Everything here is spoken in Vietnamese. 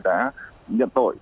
đã nhận tội